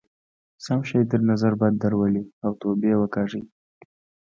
سم شی تر نظر بد درولئ او توبې وکاږئ.